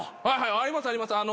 ありますあります。